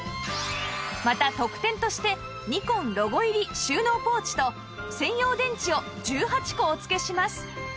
また特典としてニコンロゴ入り収納ポーチと専用電池を１８個お付けします